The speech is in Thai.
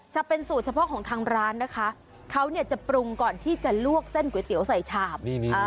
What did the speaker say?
จะเป็นสูตรเฉพาะของทางร้านนะคะเขาเนี่ยจะปรุงก่อนที่จะลวกเส้นก๋วยเตี๋ยวใส่ชาบ